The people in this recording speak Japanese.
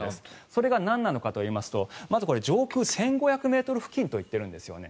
それがなんなのかというとまず、上空１５００ｍ付近と言っているんですよね。